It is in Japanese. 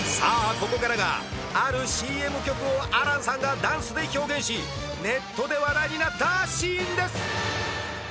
ここからがあるＣＭ曲を亜嵐さんがダンスで表現しネットで話題になったシーンです